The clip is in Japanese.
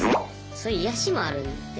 そういう癒やしもあるんで。